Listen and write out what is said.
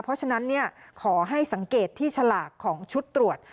เพราะฉะนั้นขอให้สังเกตที่ฉลากของชุดตรวจ